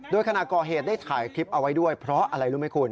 โดยขณะก่อเหตุได้ถ่ายคลิปเอาไว้ด้วยเพราะอะไรรู้ไหมคุณ